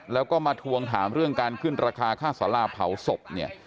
แล้วก็มาทวงถามเรื่องการขึ้นราคาค่าสาราเผาศพเนี่ย